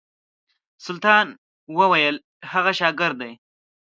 سلطان ویل هغه شاګرد دی.